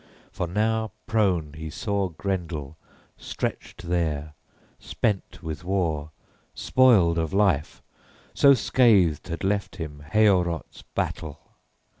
For now prone he saw Grendel stretched there, spent with war, spoiled of life, so scathed had left him Heorot's battle.